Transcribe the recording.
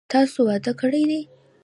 تاسو واده کړی دی؟